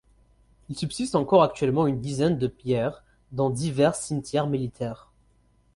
Il subsiste encore actuellement une dizaine de pierres dans divers cimetières militaires.